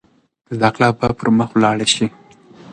زده کړه به پرمخ ولاړه شي.